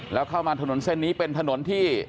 แล้วเข้ามาถนนเส้นนี้เป็นถนนที่